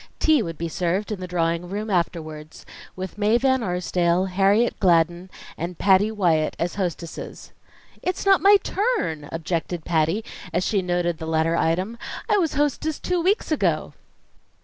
Tea would be served in the drawing room afterwards, with Mae Van Arsdale, Harriet Gladden, and Patty Wyatt as hostesses. "It's not my turn!" objected Patty, as she noted the latter item. "I was hostess two weeks ago."